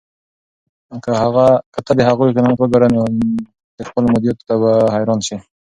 که ته د هغوی قناعت وګورې، نو خپلو مادیاتو ته به حیران شې.